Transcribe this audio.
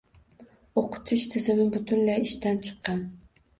O‘qitish tizimi butunlay ishdan chiqqan.